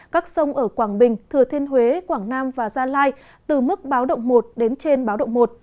các sông ở quảng bình thừa thiên huế quảng nam và gia lai từ mức báo động một đến trên báo động một